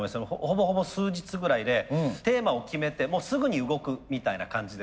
ほぼほぼ数日ぐらいでテーマを決めてすぐに動くみたいな感じでですね。